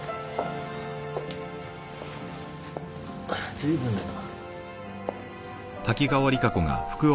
随分だな。